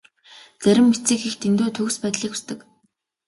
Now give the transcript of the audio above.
Зарим эцэг эх дэндүү төгс байдлыг хүсдэг.